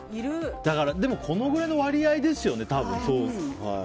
でもこのくらいの割合ですよね。